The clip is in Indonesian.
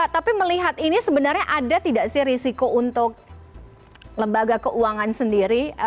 tapi melihat ini sebenarnya ada tidak sih risiko untuk lembaga keuangan sendiri